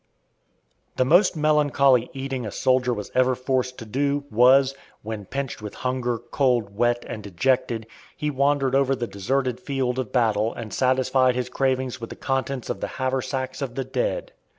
The most melancholy eating a soldier was ever forced to do, was, when pinched with hunger, cold, wet, and dejected, he wandered over the deserted field of battle and satisfied his cravings with the contents of the haversacks of the dead.